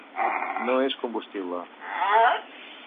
No és combustible.